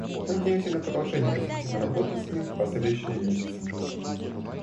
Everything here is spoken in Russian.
Мы надеемся на продолжение конструктивной работы с ним в последующие месяцы.